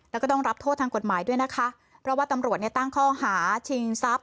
แล้วก็ต้องรับโทษทางกฎหมายด้วยนะคะเพราะว่าตำรวจเนี่ยตั้งข้อหาชิงทรัพย